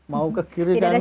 mau ke kiri kanan